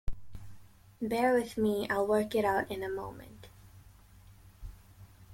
Bear with me; I'll work it out in a moment.